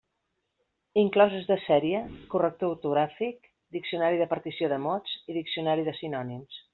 Incloses de sèrie: corrector ortogràfic, diccionari de partició de mots i diccionari de sinònims.